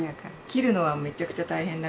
切るのはめちゃくちゃ大変だから。